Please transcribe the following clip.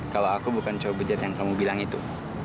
kalau aku bukan cowok bejat yang kamu bilang itu